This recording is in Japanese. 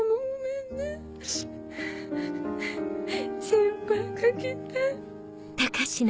心配掛けて。